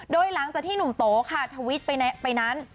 โดยหลังจากที่หนุ่มโตค่ะทวิตไปนั้น